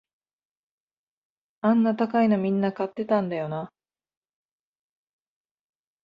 あんな高いのみんな買ってたんだよな